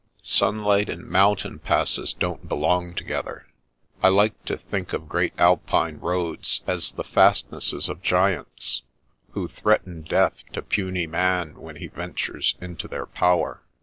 Sunlight and mountain passes don't belong together. I like to think of great Alpine roads as the fastnesses of giants, who threaten death to puny man when he ventures into their power."